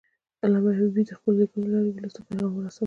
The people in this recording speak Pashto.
علامه حبیبي د خپلو لیکنو له لارې ولس ته پیغام ورساوه.